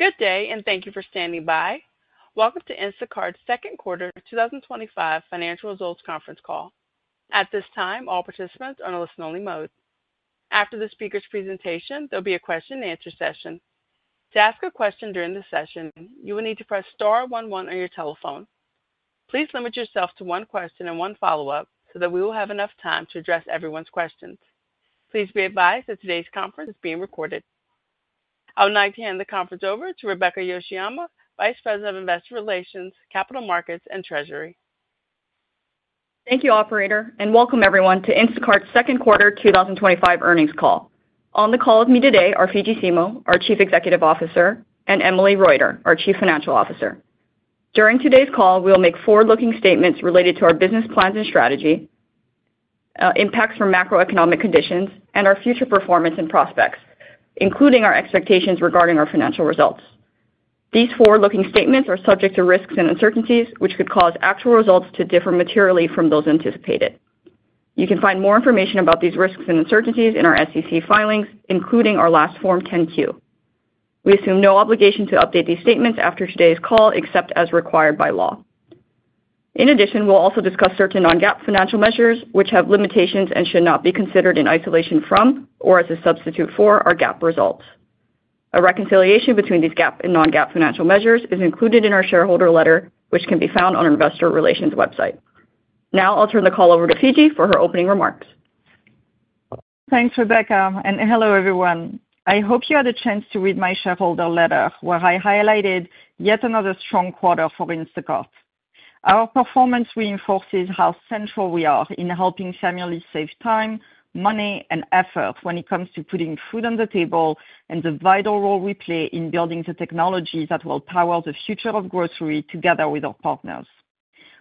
Good day, and thank you for standing by. Welcome to Instacart's second quarter 2025 financial results conference call. At this time, all participants are in a listen-only mode. After the speaker's presentation, there will be a question-and-answer session. To ask a question during the session, you will need to press star one one on your telephone. Please limit yourself to one question and one follow-up so that we will have enough time to address everyone's questions. Please be advised that today's conference is being recorded. I would like to hand the conference over to Rebecca Yoshiyama, Vice President of Investor Relations, Capital Markets, and Treasury. Thank you, Operator, and welcome everyone to Instacart's second quarter 2025 earnings call. On the call with me today are Fidji Simo, our Chief Executive Officer, and Emily Reuter, our Chief Financial Officer. During today's call, we will make forward-looking statements related to our business plans and strategy, impacts from macroeconomic conditions, and our future performance and prospects, including our expectations regarding our financial results. These forward-looking statements are subject to risks and uncertainties, which could cause actual results to differ materially from those anticipated. You can find more information about these risks and uncertainties in our SEC filings, including our last Form 10-Q. We assume no obligation to update these statements after today's call, except as required by law. In addition, we'll also discuss certain non-GAAP financial measures, which have limitations and should not be considered in isolation from or as a substitute for our GAAP results. A reconciliation between these GAAP and non-GAAP financial measures is included in our shareholder letter, which can be found on our Investor Relations website. Now, I'll turn the call over to Fidji for her opening remarks. Thanks, Rebecca, and hello everyone. I hope you had a chance to read my shareholder letter where I highlighted yet another strong quarter for Instacart. Our performance reinforces how central we are in helping families save time, money, and effort when it comes to putting food on the table and the vital role we play in building the technology that will power the future of grocery together with our partners.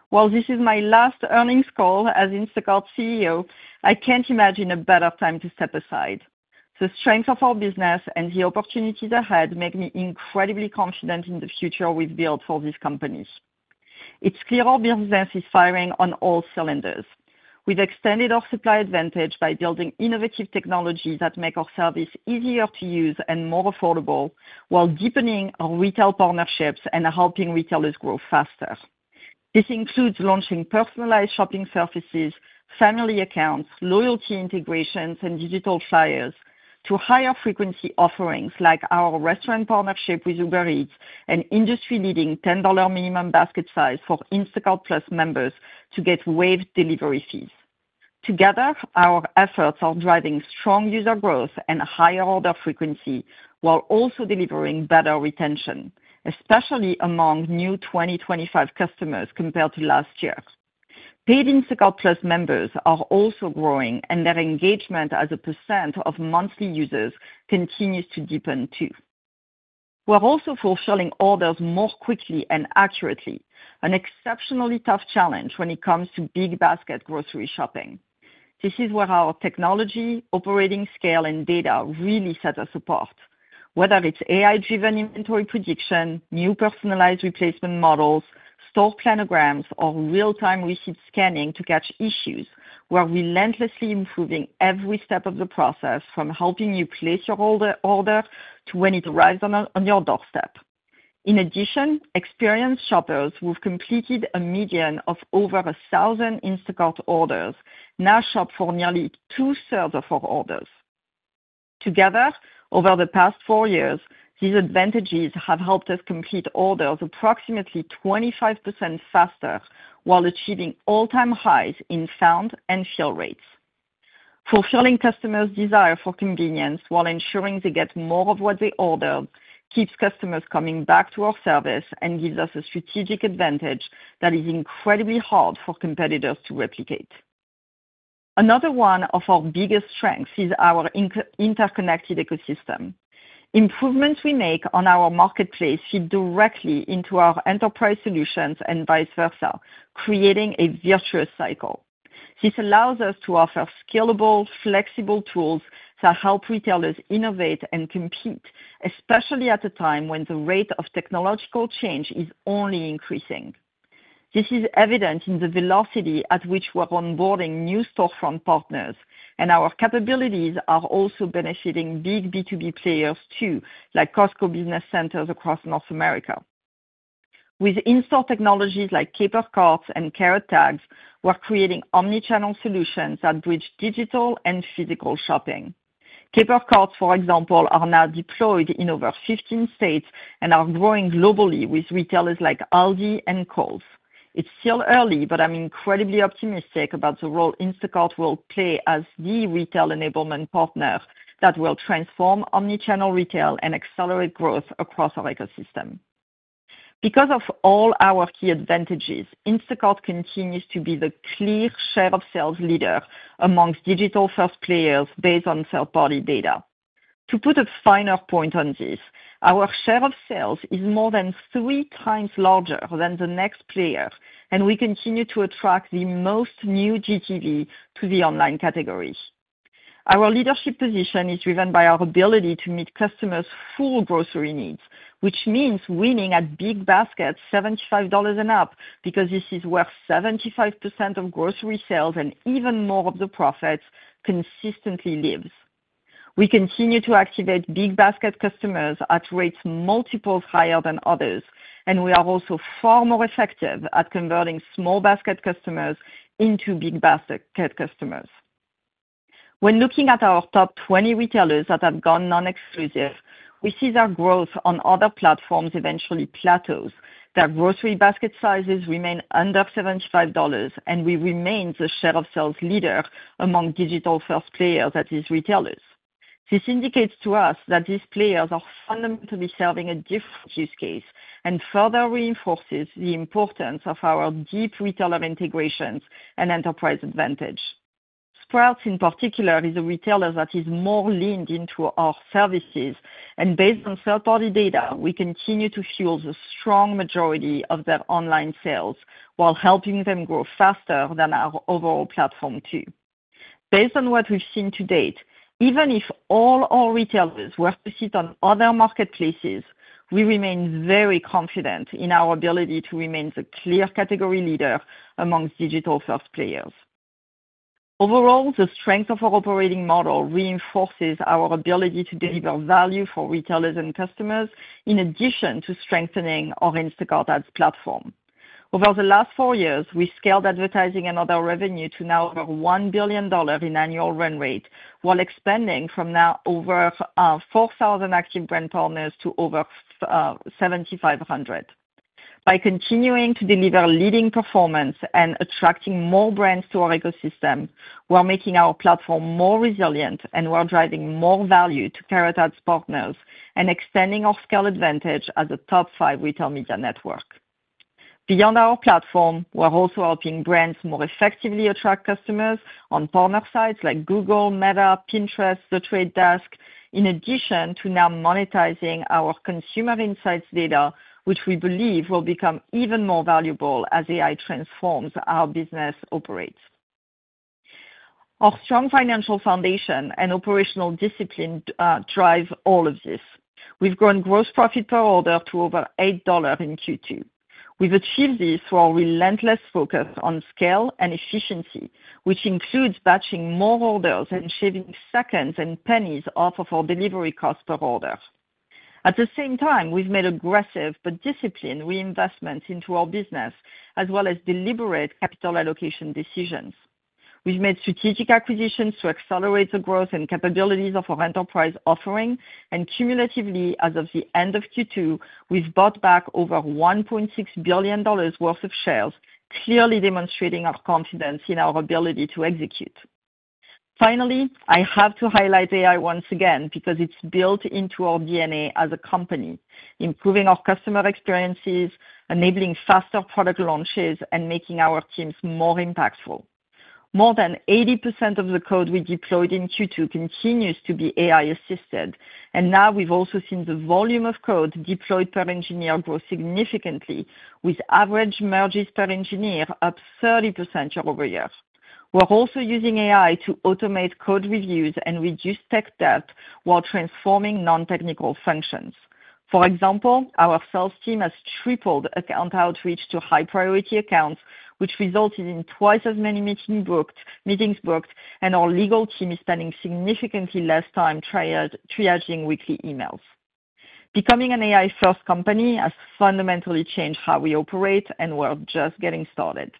While this is my last earnings call as Instacart CEO, I can't imagine a better time to step aside. The strength of our business and the opportunities ahead make me incredibly confident in the future we've built for this company. It's clear our business is firing on all cylinders. We've extended our supply advantage by building innovative technologies that make our service easier to use and more affordable, while deepening our retail partnerships and helping retailers grow faster. This includes launching personalized shopping surfaces, family accounts, loyalty integrations, and digital flyers to higher frequency offerings like our restaurant partnership with Uber Eats and industry-leading $10 minimum basket size for Instacart+ members to get waived delivery fees. Together, our efforts are driving strong user growth and higher order frequency, while also delivering better retention, especially among new 2025 customers compared to last year. Paid Instacart+ members are also growing, and their engagement as a percent of monthly users continues to deepen too. We're also fulfilling orders more quickly and accurately, an exceptionally tough challenge when it comes to big basket grocery shopping. This is where our technology, operating scale, and data really set us apart. Whether it's AI-driven inventory prediction, new personalized replacement models, store planograms, or real-time receipt scanning to catch issues, we're relentlessly improving every step of the process from helping you place your order to when it arrives on your doorstep. In addition, experienced shoppers who've completed a median of over 1,000 Instacart orders now shop for nearly two-thirds of our orders. Together, over the past four years, these advantages have helped us complete orders approximately 25% faster while achieving all-time highs in found and fill rates. Fulfilling customers' desire for convenience while ensuring they get more of what they order keeps customers coming back to our service and gives us a strategic advantage that is incredibly hard for competitors to replicate. Another one of our biggest strengths is our interconnected ecosystem. Improvements we make on our marketplace feed directly into our enterprise solutions and vice versa, creating a virtuous cycle. This allows us to offer scalable, flexible tools that help retailers innovate and compete, especially at a time when the rate of technological change is only increasing. This is evident in the velocity at which we're onboarding new storefront partners, and our capabilities are also benefiting big B2B players too, like Costco Business Centers across North America. With in-store technologies like Caper Carts and Carrot Tags, we're creating omnichannel solutions that bridge digital and physical shopping. Caper Carts, for example, are now deployed in over 15 states and are growing globally with retailers like Aldi and Kohl's. It's still early, but I'm incredibly optimistic about the role Instacart will play as the retail enablement partner that will transform omnichannel retail and accelerate growth across our ecosystem. Because of all our key advantages, Instacart continues to be the clear share of sales leader amongst digital-first players based on third-party data. To put a finer point on this, our share of sales is more than 3x larger than the next player, and we continue to attract the most new GTV to the online category. Our leadership position is driven by our ability to meet customers' full grocery needs, which means winning at big baskets $75 and up because this is where 75% of grocery sales and even more of the profits consistently live. We continue to activate big basket customers at rates multiples higher than others, and we are also far more effective at converting small basket customers into big basket customers. When looking at our top 20 retailers that have gone nonexclusive, we see that growth on other platforms eventually plateaus, that grocery basket sizes remain under $75, and we remain the share of sales leader among digital-first players that are retailers. This indicates to us that these players are fundamentally serving a different use case and further reinforces the importance of our deep retailer integrations and enterprise advantage. Sprouts, in particular, is a retailer that is more leaned into our services, and based on third-party data, we continue to fuel the strong majority of their online sales while helping them grow faster than our overall platform too. Based on what we've seen to date, even if all our retailers were to sit on other marketplaces, we remain very confident in our ability to remain the clear category leader amongst digital-first players. Overall, the strength of our operating model reinforces our ability to deliver value for retailers and customers in addition to strengthening our Instacart Ads platform. Over the last four years, we scaled advertising and other revenue to now over $1 billion in annual run rate, while expanding from now over 4,000 active brand partners to over 7,500. By continuing to deliver leading performance and attracting more brands to our ecosystem, we're making our platform more resilient and we're driving more value to Carrot Ads partners and extending our scale advantage as a top five retail media network. Beyond our platform, we're also helping brands more effectively attract customers on partner sites like Google, Meta, Pinterest, The Trade Desk, in addition to now monetizing our consumer insights data, which we believe will become even more valuable as AI transforms how our business operates. Our strong financial foundation and operational discipline drive all of this. We've grown gross profit per order to over $8 in Q2. We've achieved this through our relentless focus on scale and efficiency, which includes batching more orders and shaving seconds and pennies off of our delivery cost per order. At the same time, we've made aggressive but disciplined reinvestments into our business, as well as deliberate capital allocation decisions. We've made strategic acquisitions to accelerate the growth and capabilities of our enterprise offering, and cumulatively, as of the end of Q2, we've bought back over $1.6 billion worth of shares, clearly demonstrating our confidence in our ability to execute. Finally, I have to highlight AI once again because it's built into our DNA as a company, improving our customer experiences, enabling faster product launches, and making our teams more impactful. More than 80% of the code we deployed in Q2 continues to be AI-assisted, and now we've also seen the volume of code deployed per engineer grow significantly, with average merges per engineer up 30% year-over-year. We're also using AI to automate code reviews and reduce tech debt while transforming non-technical functions. For example, our sales team has tripled account outreach to high-priority accounts, which resulted in twice as many meetings booked, and our legal team is spending significantly less time triaging weekly emails. Becoming an AI-first company has fundamentally changed how we operate, and we're just getting started.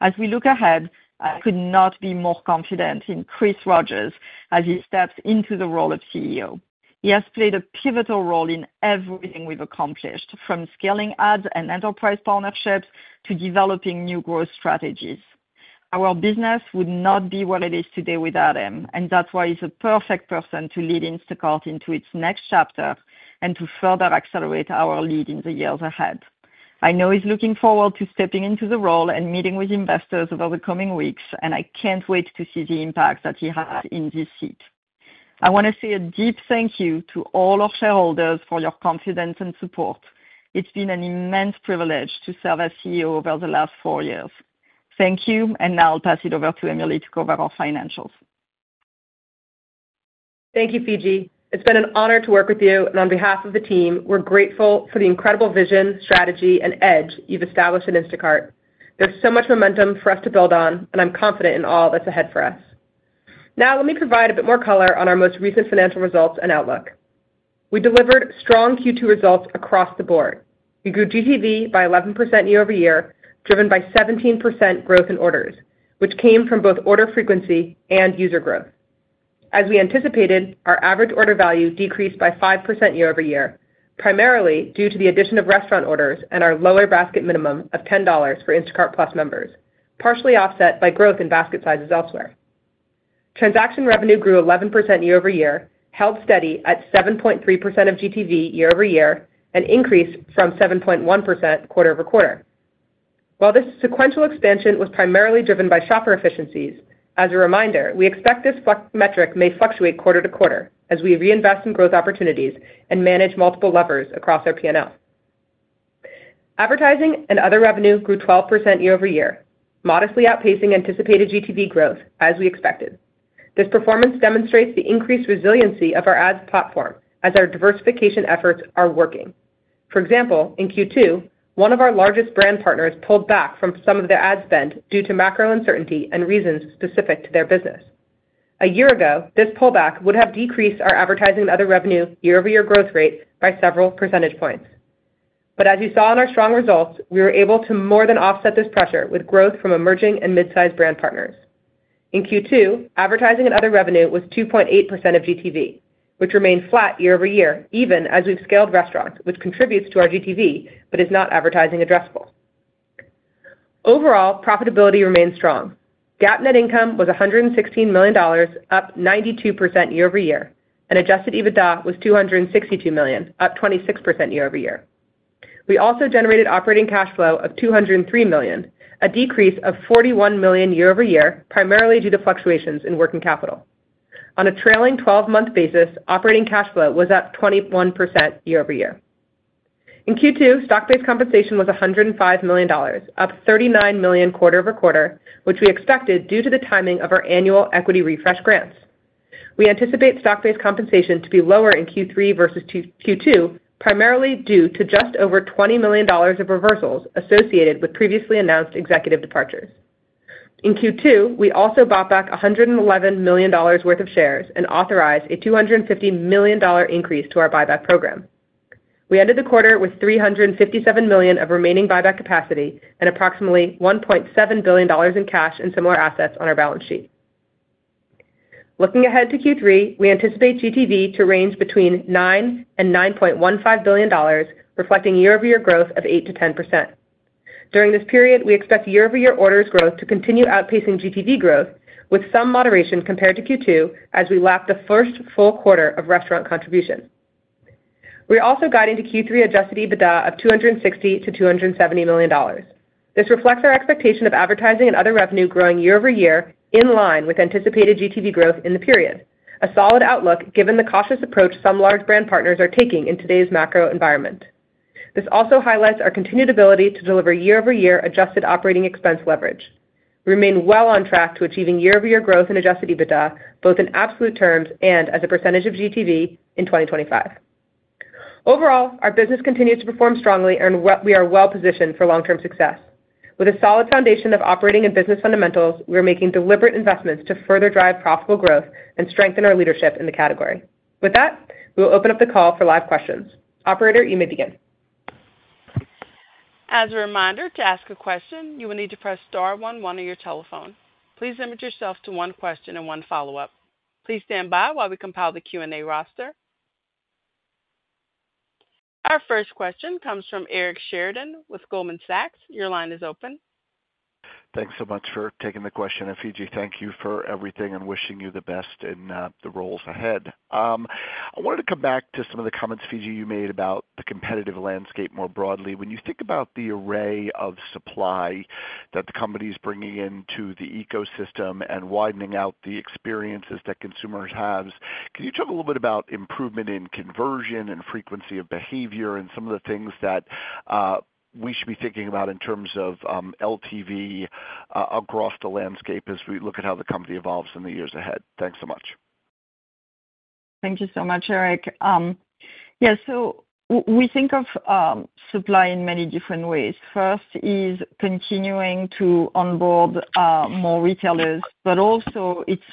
As we look ahead, I could not be more confident in Chris Rogers as he steps into the role of CEO. He has played a pivotal role in everything we've accomplished, from scaling ads and enterprise partnerships to developing new growth strategies. Our business would not be where it is today without him, and that's why he's a perfect person to lead Instacart into its next chapter and to further accelerate our lead in the years ahead. I know he's looking forward to stepping into the role and meeting with investors over the coming weeks, and I can't wait to see the impact that he has in this seat. I want to say a deep thank you to all our shareholders for your confidence and support. It's been an immense privilege to serve as CEO over the last four years. Thank you, and now I'll pass it over to Emily to cover our financials. Thank you, Fidji. It's been an honor to work with you, and on behalf of the team, we're grateful for the incredible vision, strategy, and edge you've established in Instacart. There's so much momentum for us to build on, and I'm confident in all that's ahead for us. Now, let me provide a bit more color on our most recent financial results and outlook. We delivered strong Q2 results across the board. We grew GTV by 11% year-over-year, driven by 17% growth in orders, which came from both order frequency and user growth. As we anticipated, our average order value decreased by 5% year-over-year, primarily due to the addition of restaurant orders and our lower basket minimum of $10 for Instacart+ members, partially offset by growth in basket sizes elsewhere. Transaction revenue grew 11% year-over-year, held steady at 7.3% of GTV year-over-year, and increased from 7.1% quarter-over-quarter. While this sequential expansion was primarily driven by shopper efficiencies, as a reminder, we expect this metric may fluctuate quarter to quarter as we reinvest in growth opportunities and manage multiple levers across our P&L. Advertising and other revenue grew 12% year-over-year, modestly outpacing anticipated GTV growth as we expected. This performance demonstrates the increased resiliency of our ads platform as our diversification efforts are working. For example, in Q2, one of our largest brand partners pulled back from some of their ad spend due to macro uncertainty and reasons specific to their business. A year ago, this pullback would have decreased our advertising and other revenue year-over-year growth rates by several percentage points. As you saw in our strong results, we were able to more than offset this pressure with growth from emerging and mid-sized brand partners. In Q2, advertising and other revenue was 2.8% of GTV, which remained flat year-over-year, even as we've scaled restaurants, which contributes to our GTV but is not advertising addressable. Overall, profitability remains strong. GAAP net income was $116 million, up 92% year-over-year, and adjusted EBITDA was $262 million, up 26% year-over-year. We also generated operating cash flow of $203 million, a decrease of $41 million year-over-year, primarily due to fluctuations in working capital. On a trailing 12-month basis, operating cash flow was up 21% year-over-year. In Q2, stock-based compensation was $105 million, up $39 million quarter-over-quarter, which we expected due to the timing of our annual equity refresh grants. We anticipate stock-based compensation to be lower in Q3 versus Q2, primarily due to just over $20 million of reversals associated with previously announced executive departure. In Q2, we also bought back $111 million worth of shares and authorized a $250 million increase to our buyback program. We ended the quarter with $357 million of remaining buyback capacity and approximately $1.7 billion in cash and similar assets on our balance sheet. Looking ahead to Q3, we anticipate GTV to range between $9 billion and $9.15 billion, reflecting year-over-year growth of 8%-10%. During this period, we expect year-over-year orders growth to continue outpacing GTV growth, with some moderation compared to Q2 as we lapped the first full quarter of restaurant contribution. We also guide into Q3 adjusted EBITDA of $260 million-$270 million. This reflects our expectation of advertising and other revenue growing year-over-year in line with anticipated GTV growth in the period, a solid outlook given the cautious approach some large brand partners are taking in today's macro environment. This also highlights our continued ability to deliver year-over-year adjusted operating expense leverage. We remain well on track to achieving year-over-year growth and adjusted EBITDA both in absolute terms and as a percentage of GTV in 2025. Overall, our business continues to perform strongly, and we are well positioned for long-term success. With a solid foundation of operating and business fundamentals, we are making deliberate investments to further drive profitable growth and strengthen our leadership in the category. With that, we will open up the call for live questions. Operator, you may begin. As a reminder, to ask a question, you will need to press star one one on your telephone. Please limit yourself to one question and one follow-up. Please stand by while we compile the Q&A roster. Our first question comes from Eric Sheridan with Goldman Sachs. Your line is open. Thanks so much for taking the question, and Fidji, thank you for everything and wishing you the best in the roles ahead. I wanted to come back to some of the comments, Fidji, you made about the competitive landscape more broadly. When you think about the array of supply that the company is bringing into the ecosystem and widening out the experiences that consumers have, can you talk a little bit about improvement in conversion and frequency of behavior, and some of the things that we should be thinking about in terms of LTV across the landscape as we look at how the company evolves in the years ahead? Thanks so much. Thank you so much, Eric. We think of supply in many different ways. First is continuing to onboard more retailers, but also it's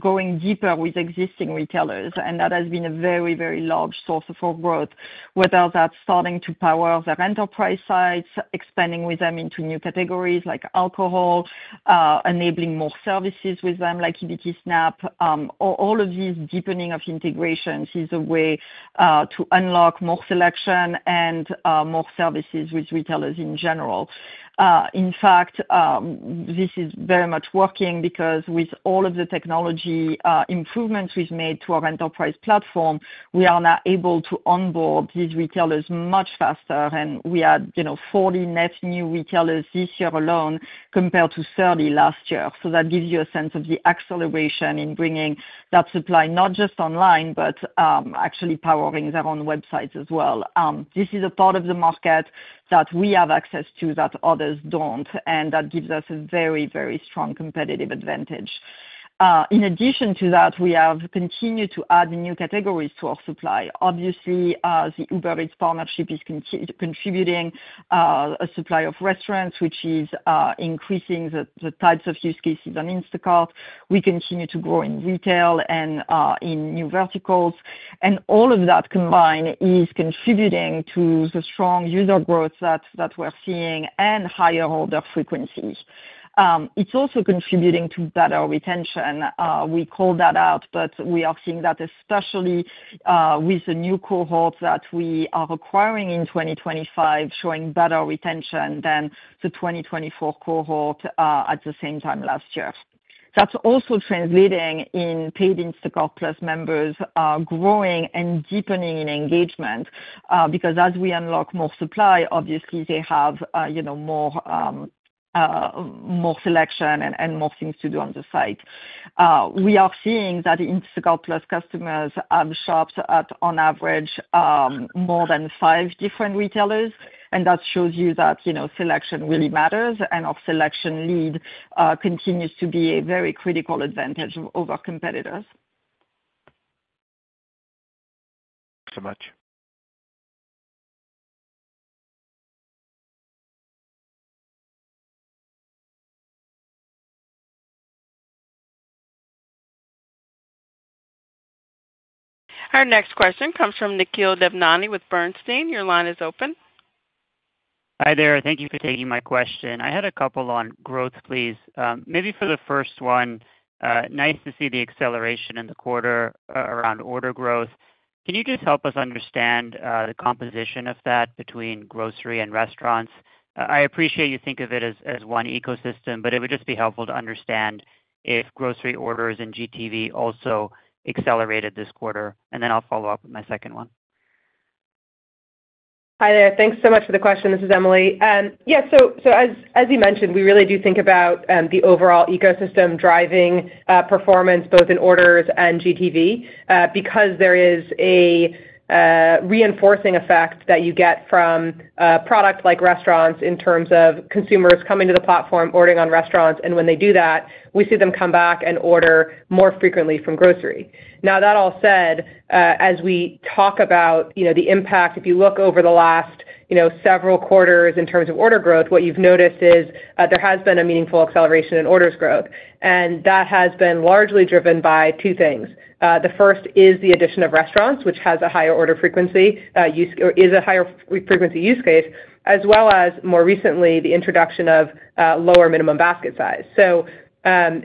going deeper with existing retailers, and that has been a very, very large source of our growth. Whether that's starting to power their enterprise sites, expanding with them into new categories like alcohol, enabling more services with them like EBT SNAP, all of these deepening of integrations is a way to unlock more selection and more services with retailers in general. In fact, this is very much working because with all of the technology improvements we've made to our enterprise platform, we are now able to onboard these retailers much faster, and we had 40 net new retailers this year alone compared to 30 last year. That gives you a sense of the acceleration in bringing that supply not just online, but actually powering their own websites as well. This is a part of the market that we have access to that others don't, and that gives us a very, very strong competitive advantage. In addition to that, we have continued to add new categories to our supply. Obviously, the Uber Eats partnership is contributing a supply of restaurants, which is increasing the types of use cases on Instacart. We continue to grow in retail and in new verticals, and all of that combined is contributing to the strong user growth that we're seeing and higher order frequency. It's also contributing to better retention. We call that out, but we are seeing that especially with the new cohort that we are acquiring in 2025 showing better retention than the 2024 cohort at the same time last year. That's also translating in paid Instacart+ members growing and deepening in engagement because as we unlock more supply, obviously they have more selection and more things to do on the site. We are seeing that Instacart+ customers have shopped at, on average, more than five different retailers, and that shows you that selection really matters, and our selection lead continues to be a very critical advantage over competitors. Thanks so much. Our next question comes from Nikhil Devnani with Bernstein. Your line is open. Hi there. Thank you for taking my question. I had a couple on growth, please. Maybe for the first one, nice to see the acceleration in the quarter around order growth. Can you just help us understand the composition of that between grocery and restaurants? I appreciate you think of it as one ecosystem, but it would just be helpful to understand if grocery orders and GTV also accelerated this quarter, and then I'll follow up with my second one. Hi there. Thanks so much for the question. This is Emily. Yeah, as you mentioned, we really do think about the overall ecosystem driving performance both in orders and GTV because there is a reinforcing effect that you get from a product like restaurants in terms of consumers coming to the platform, ordering on restaurants, and when they do that, we see them come back and order more frequently from grocery. That all said, as we talk about the impact, if you look over the last several quarters in terms of order growth, what you've noticed is there has been a meaningful acceleration in orders growth, and that has been largely driven by two things. The first is the addition of restaurants, which has a higher order frequency use case, as well as more recently the introduction of lower minimum basket size.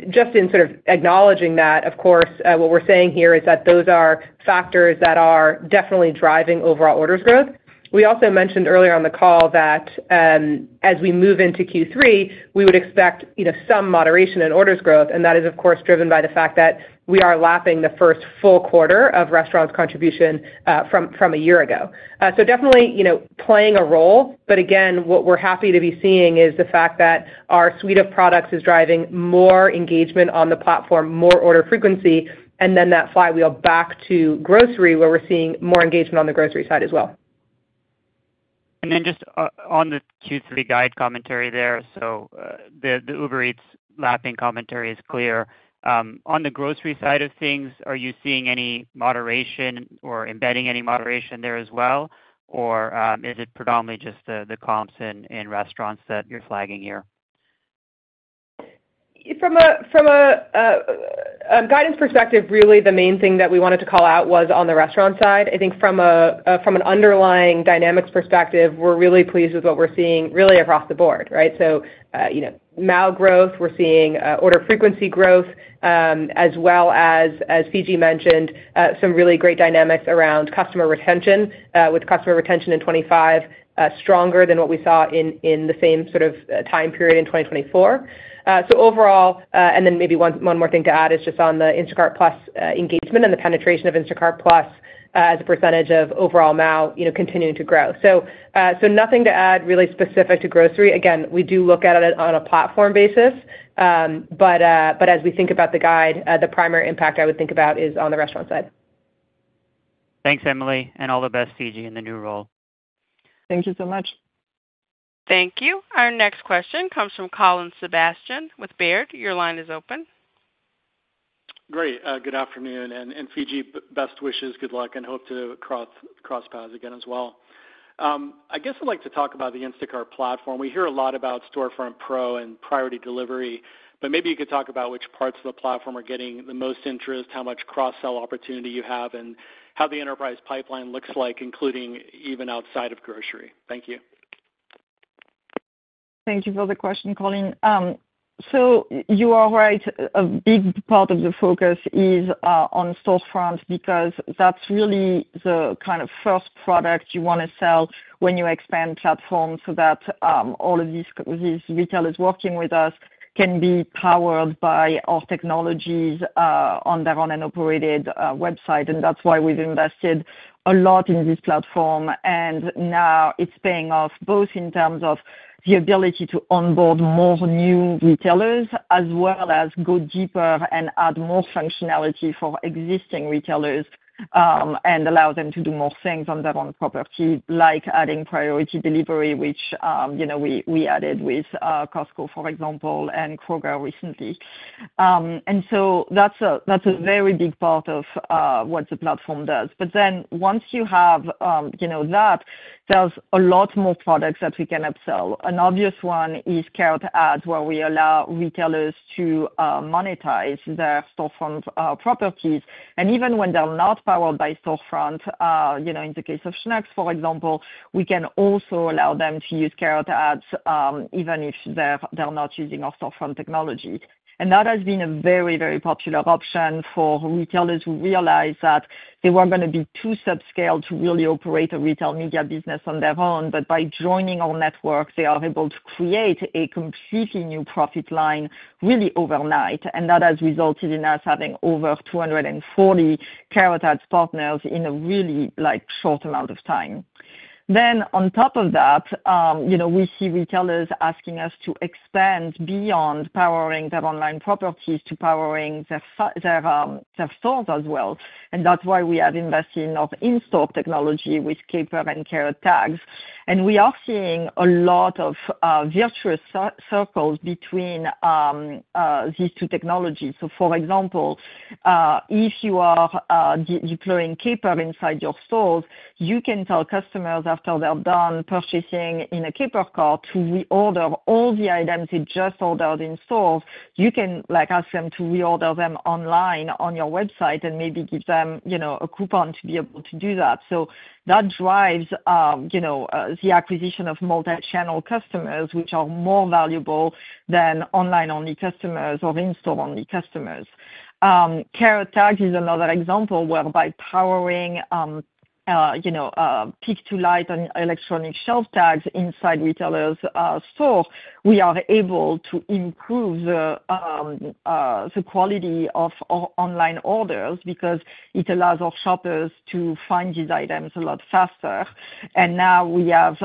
Just in sort of acknowledging that, of course, what we're saying here is that those are factors that are definitely driving overall orders growth. We also mentioned earlier on the call that as we move into Q3, we would expect some moderation in orders growth, and that is, of course, driven by the fact that we are lapping the first full quarter of restaurants' contribution from a year ago. Definitely playing a role, but again, what we're happy to be seeing is the fact that our suite of products is driving more engagement on the platform, more order frequency, and then that flywheel back to grocery where we're seeing more engagement on the grocery side as well. On the Q3 guide commentary there, the Uber Eats lapping commentary is clear. On the grocery side of things, are you seeing any moderation or embedding any moderation there as well, or is it predominantly just the comps in restaurants that you're flagging here? From a guidance perspective, the main thing that we wanted to call out was on the restaurant side. I think from an underlying dynamics perspective, we're really pleased with what we're seeing across the board, right? Mile growth, we're seeing order frequency growth, as well as, as Fidji mentioned, some really great dynamics around customer retention, with customer retention in 2025 stronger than what we saw in the same sort of time period in 2024. Overall, maybe one more thing to add is just on the Instacart+ engagement and the penetration of Instacart+ as a percentage of overall mile continuing to grow. Nothing to add really specific to grocery. We do look at it on a platform basis, but as we think about the guide, the primary impact I would think about is on the restaurant side. Thanks, Emily, and all the best, Fidji, in the new role. Thank you so much. Thank you. Our next question comes from Colin Sebastian with Baird. Your line is open. Great. Good afternoon, and Fidji, best wishes, good luck, and hope to cross paths again as well. I guess I'd like to talk about the Instacart Platform. We hear a lot about Storefront Pro and priority delivery, but maybe you could talk about which parts of the platform are getting the most interest, how much cross-sell opportunity you have, and how the enterprise pipeline looks like, including even outside of grocery. Thank you. Thank you for the question, Colin. You are right, a big part of the focus is on Storefront because that's really the kind of first product you want to sell when you expand platforms so that all of these retailers working with us can be powered by our technologies on their own and operated website. That's why we've invested a lot in this platform, and now it's paying off both in terms of the ability to onboard more new retailers, as well as go deeper and add more functionality for existing retailers and allow them to do more things on their own property, like adding priority delivery, which we added with Costco, for example, and Kroger recently. That's a very big part of what the platform does. Once you have that, there's a lot more products that we can upsell. An obvious one is Carrot Ads, where we allow retailers to monetize their Storefront properties. Even when they're not powered by Storefront, in the case of Schnucks, for example, we can also allow them to use Carrot Ads even if they're not using our Storefront technology. That has been a very, very popular option for retailers who realize that they weren't going to be too subscaled to really operate a retail media business on their own, but by joining our network, they are able to create a completely new profit line really overnight. That has resulted in us having over 240 Carrot Ads partners in a really short amount of time. On top of that, we see retailers asking us to expand beyond powering their online properties to powering their stores as well. That's why we have invested in our in-store technology with Caper Carts and Carrot Tags. We are seeing a lot of virtuous circles between these two technologies. For example, if you are deploying Caper inside your stores, you can tell customers after they're done purchasing in a Caper Cart to reorder all the items they just ordered in stores. You can ask them to reorder them online on your website and maybe give them a coupon to be able to do that. That drives the acquisition of multi-channel customers, which are more valuable than online-only customers or in-store-only customers. Carrot Tags is another example whereby powering pick-to-light and electronic shelf tags inside retailers' stores, we are able to improve the quality of online orders because it allows our shoppers to find these items a lot faster. Now we have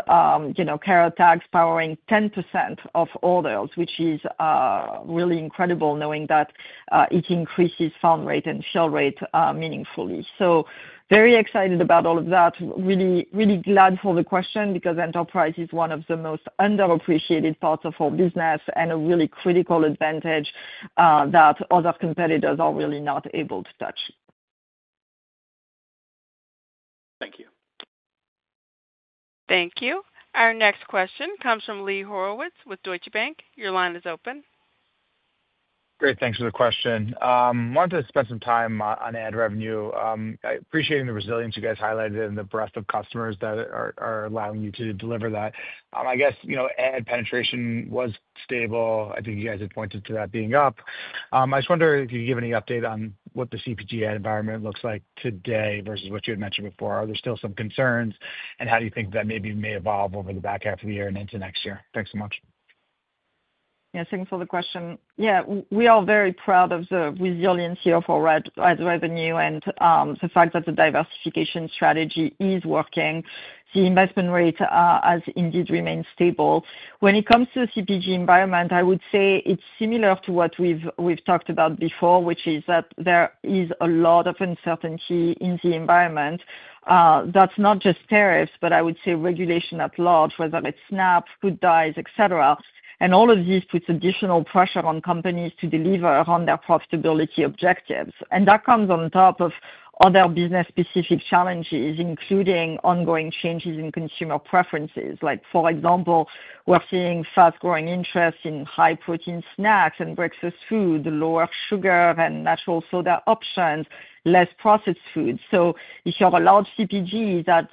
Carrot Tags powering 10% of orders, which is really incredible knowing that it increases found rate and fill rate meaningfully. Very excited about all of that. Really, really glad for the question because enterprise is one of the most underappreciated parts of our business and a really critical advantage that other competitors are really not able to touch. Thank you. Thank you. Our next question comes from Lee Horowitz with Deutsche Bank. Your line is open. Great. Thanks for the question. I wanted to spend some time on ad revenue. I appreciate the resilience you guys highlighted and the breadth of customers that are allowing you to deliver that. I guess ad penetration was stable. I think you guys had pointed to that being up. I just wonder if you could give any update on what the CPG ad environment looks like today versus what you had mentioned before. Are there still some concerns, and how do you think that maybe may evolve over the back half of the year and into next year? Thanks so much. Yeah, thanks for the question. We are very proud of the resiliency of our ad revenue and the fact that the diversification strategy is working. The investment rate has indeed remained stable. When it comes to the CPG environment, I would say it's similar to what we've talked about before, which is that there is a lot of uncertainty in the environment. That's not just tariffs, but I would say regulation at large, whether it's SNAP, food diets, etc. All of this puts additional pressure on companies to deliver on their profitability objectives. That comes on top of other business-specific challenges, including ongoing changes in consumer preferences. For example, we're seeing fast-growing interest in high-protein snacks and breakfast food, lower sugar and natural soda options, less processed food. If you have a large CPG that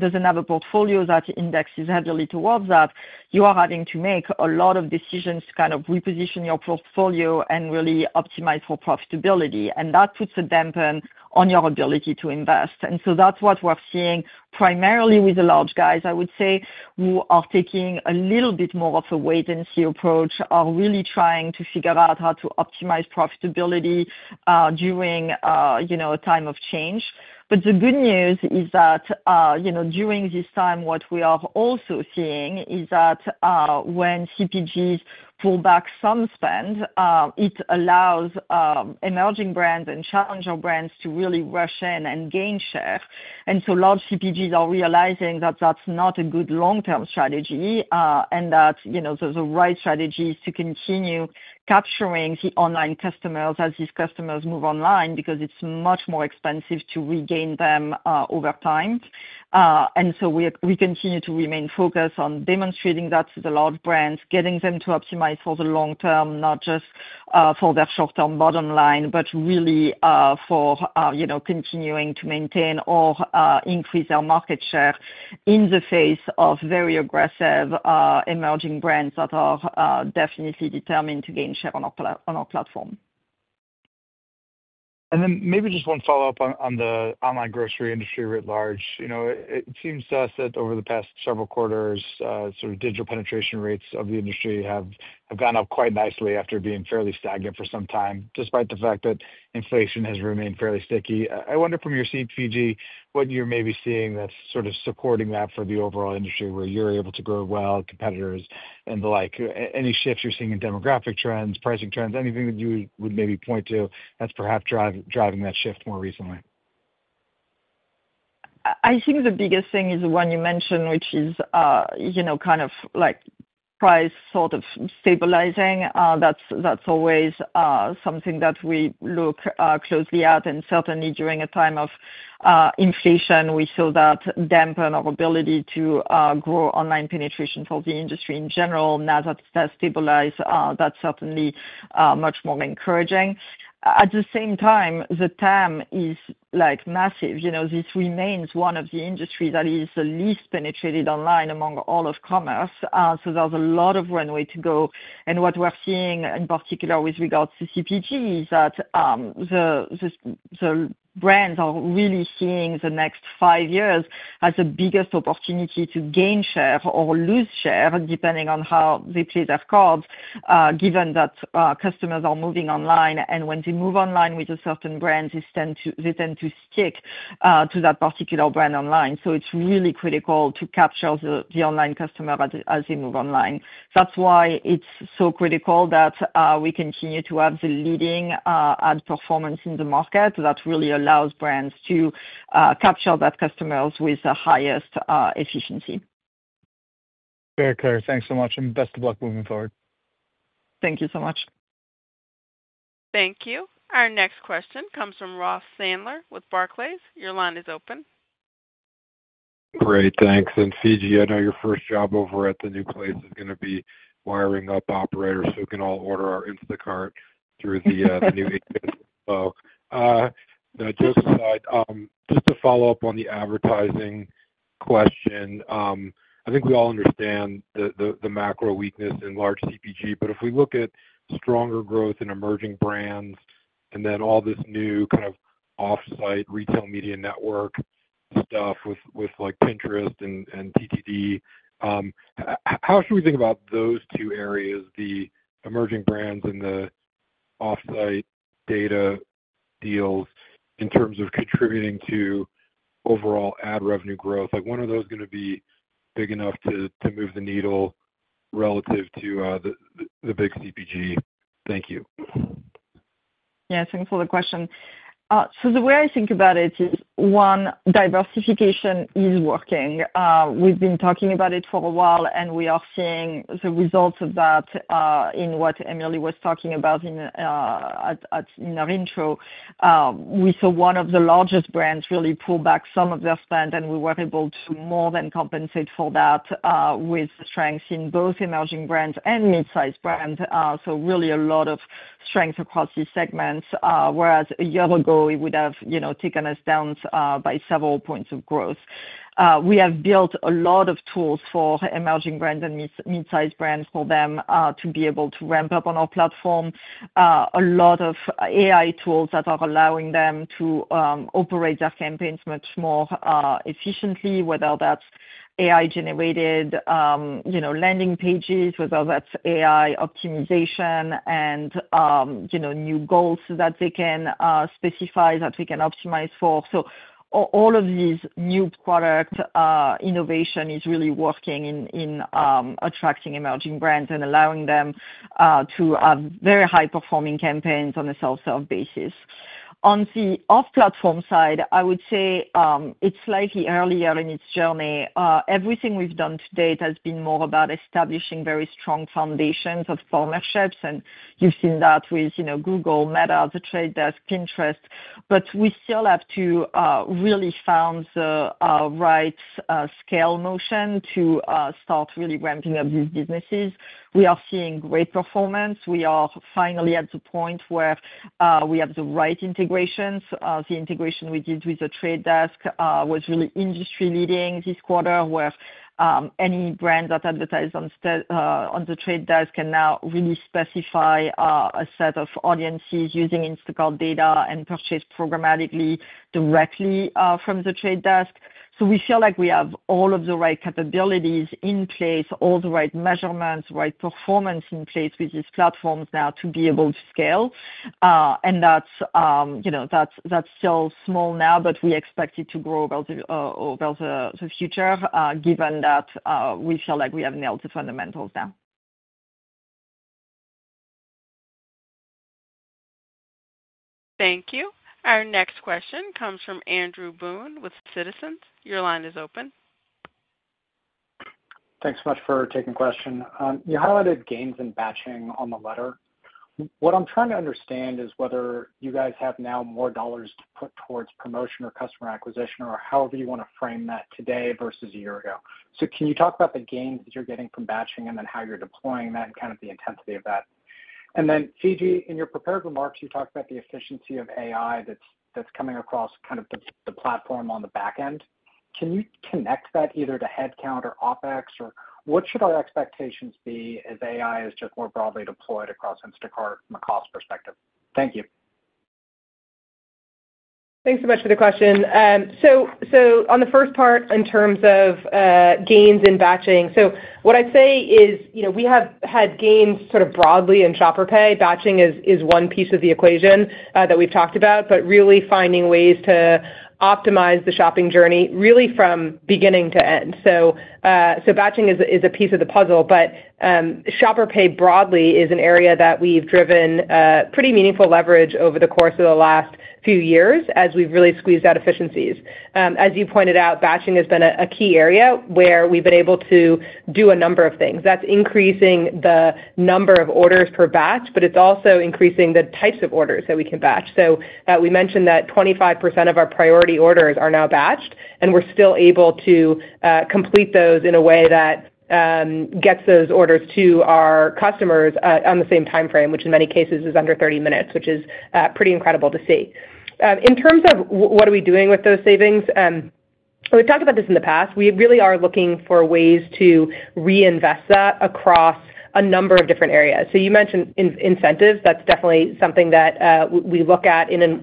doesn't have a portfolio that indexes heavily towards that, you are having to make a lot of decisions to kind of reposition your portfolio and really optimize for profitability. That puts a dampen on your ability to invest. That's what we're seeing primarily with the large guys, I would say, who are taking a little bit more of a wait-and-see approach, really trying to figure out how to optimize profitability during a time of change. The good news is that during this time, what we are also seeing is that when CPGs pull back some spend, it allows emerging brands and challenger brands to really rush in and gain share. Large CPGs are realizing that that's not a good long-term strategy and that the right strategy is to continue capturing the online customers as these customers move online because it's much more expensive to regain them over time. We continue to remain focused on demonstrating that to the large brands, getting them to optimize for the long term, not just for their short-term bottom line, but really for continuing to maintain or increase their market share in the face of very aggressive emerging brands that are definitely determined to gain share on our platform. Maybe just one follow-up on the online grocery industry writ large. It seems to us that over the past several quarters, digital penetration rates of the industry have gone up quite nicely after being fairly stagnant for some time, despite the fact that inflation has remained fairly sticky. I wonder from your CPG, what you're maybe seeing that's supporting that for the overall industry where you're able to grow well, competitors, and the like. Any shifts you're seeing in demographic trends, pricing trends, anything that you would maybe point to that's perhaps driving that shift more recently? I think the biggest thing is the one you mentioned, which is kind of like price sort of stabilizing. That's always something that we look closely at. Certainly during a time of inflation, we saw that dampen our ability to grow online penetration for the industry in general. Now that that's stabilized, that's certainly much more encouraging. At the same time, the TAM is like massive. You know, this remains one of the industries that is the least penetrated online among all of commerce. There's a lot of runway to go. What we're seeing in particular with regards to CPG is that the brands are really seeing the next five years as the biggest opportunity to gain share or lose share, depending on how they play their cards, given that customers are moving online. When they move online with a certain brand, they tend to stick to that particular brand online. It's really critical to capture the online customer as they move online. That's why it's so critical that we continue to have the leading ad performance in the market that really allows brands to capture that customer with the highest efficiency. Very clear. Thanks so much, and best of luck moving forward. Thank you so much. Thank you. Our next question comes from Ross Sandler with Barclays. Your line is open. Great, thanks. Fidji, I know your first job over at the new place is going to be wiring up operators so we can all order our Instacart through the new existing flow. Joseph and I, just to follow up on the advertising question, I think we all understand the macro weakness in large CPG, but if we look at stronger growth in emerging brands and then all this new kind of offsite retail media network stuff with like Pinterest and TTD, how should we think about those two areas, the emerging brands and the offsite data deals in terms of contributing to overall ad revenue growth? When are those going to be big enough to move the needle relative to the big CPG? Thank you. Yeah, thanks for the question. The way I think about it is, one, diversification is working. We've been talking about it for a while, and we are seeing the results of that in what Emily was talking about in her intro. We saw one of the largest brands really pull back some of their spend, and we were able to more than compensate for that with the strengths in both emerging brands and mid-sized brands. There is really a lot of strength across these segments, whereas a year ago, it would have taken us down by several points of growth. We have built a lot of tools for emerging brands and mid-sized brands for them to be able to ramp up on our platform, a lot of AI tools that are allowing them to operate their campaigns much more efficiently, whether that's AI-generated landing pages, whether that's AI optimization, and new goals that they can specify that we can optimize for. All of these new product innovations are really working in attracting emerging brands and allowing them to have very high-performing campaigns on a self-serve basis. On the off-platform side, I would say it's slightly earlier in its journey. Everything we've done to date has been more about establishing very strong foundations of partnerships, and you've seen that with Google, Meta, the Trade Desk, Pinterest. We still have to really find the right scale motion to start really ramping up these businesses. We are seeing great performance. We are finally at the point where we have the right integrations. The integration we did with the Trade Desk was really industry-leading this quarter, where any brand that advertised on the Trade Desk can now really specify a set of audiences using Instacart data and purchase programmatically directly from the Trade Desk. We feel like we have all of the right capabilities in place, all the right measurements, right performance in place with these platforms now to be able to scale. That is still small now, but we expect it to grow over the future, given that we feel like we have nailed the fundamentals now. Thank you. Our next question comes from Andrew Boone with Citizens. Your line is open. Thanks so much for taking the question. You highlighted gains in batching on the letter. What I'm trying to understand is whether you guys have now more dollars to put towards promotion or customer acquisition or however you want to frame that today versus a year ago. Can you talk about the gains that you're getting from batching and then how you're deploying that and the intensity of that? Fidji, in your prepared remarks, you talked about the efficiency of AI that's coming across the platform on the back end. Can you connect that either to headcount or OpEx, or what should our expectations be as AI is just more broadly deployed across Instacart from a cost perspective? Thank you. Thanks so much for the question. On the first part in terms of gains in batching, what I'd say is we have had gains broadly in Shopper Pay. Batching is one piece of the equation that we've talked about, but really finding ways to optimize the shopping journey from beginning to end. Batching is a piece of the puzzle, but Shopper Pay broadly is an area that we've driven pretty meaningful leverage over the course of the last few years as we've really squeezed out efficiencies. As you pointed out, batching has been a key area where we've been able to do a number of things. That's increasing the number of orders per batch, but it's also increasing the types of orders that we can batch. We mentioned that 25% of our priority orders are now batched, and we're still able to complete those in a way that gets those orders to our customers on the same time frame, which in many cases is under 30 minutes, which is pretty incredible to see. In terms of what are we doing with those savings, we've talked about this in the past. We really are looking for ways to reinvest that across a number of different areas. You mentioned incentives. That's definitely something that we look at when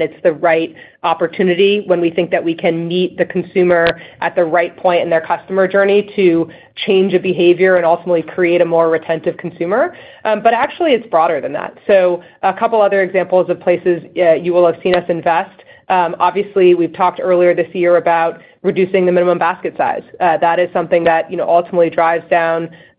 it's the right opportunity, when we think that we can meet the consumer at the right point in their customer journey to change a behavior and ultimately create a more retentive consumer. Actually, it's broader than that. A couple other examples of places you will have seen us invest: obviously, we've talked earlier this year about reducing the minimum basket size. That is something that ultimately drives down, is